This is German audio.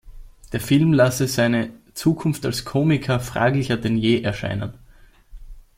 Der Film lasse seine „Zukunft als Komiker fraglicher denn je erscheinen“.